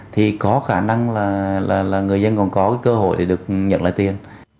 thì có khả năng là người dân còn có cơ hội để được nhận lại tiền